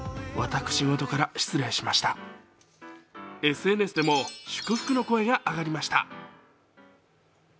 ＳＮＳでも祝福の声が上がりました